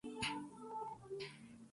Nació de padres mayores.